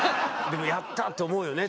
でもやった！と思うよね